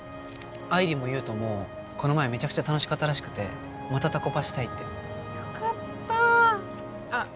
愛理も有人もこの前めちゃくちゃ楽しかったらしくてまたタコパしたいってよかったあっ